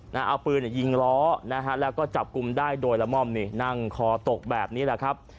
เอาปืนยิงล้อนะฮะแล้วก็จับกลุ่มได้โดยละม่อมนี่นั่งคอตกแบบนี้แหละครับ